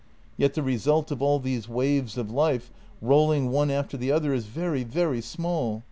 Yet the result of all these waves of life, rolling one after the other, is very, very small.